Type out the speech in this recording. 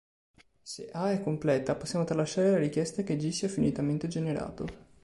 Se A è completa, possiamo tralasciare la richiesta che "G" sia finitamente generato.